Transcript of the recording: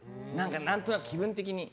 何となく気分的に。